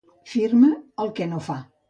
Firma el que no fa.